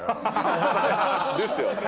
ですよね。